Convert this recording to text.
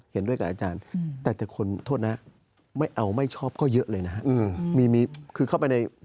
เห็นด้วยกับอาจารย์แต่คนไม่เอาไม่ชอบก็เยอะเลยนะฮะ